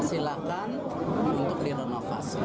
silahkan untuk direnovasi